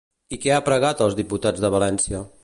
I què ha pregat als diputats de València?